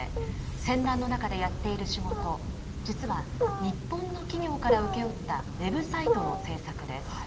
戦乱の中でやっている仕事、実は日本の企業から請け負ったウェブサイトの制作です。